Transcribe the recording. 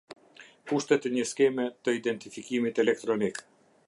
Kushtet e një skeme të identifikimit elektronik.